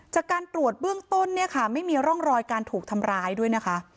จากการตรวจเบื้องต้นเนี่ยค่ะไม่มีร่องรอยการถูกทำร้ายด้วยนะคะ